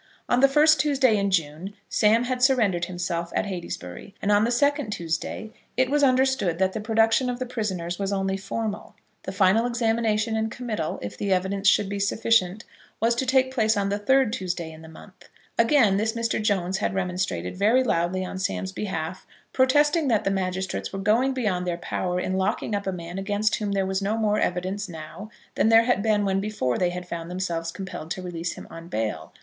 On the first Tuesday in June Sam had surrendered himself at Heytesbury, and on the second Tuesday it was understood that the production of the prisoners was only formal. The final examination, and committal, if the evidence should be sufficient, was to take place on the third Tuesday in the month. Against this Mr. Jones had remonstrated very loudly on Sam's behalf, protesting that the magistrates were going beyond their power in locking up a man against whom there was no more evidence now than there had been when before they had found themselves compelled to release him on bail.